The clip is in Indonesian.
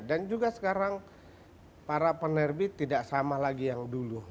dan juga sekarang para penerbit tidak sama lagi yang dulu